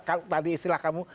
kalau tadi istilah kamu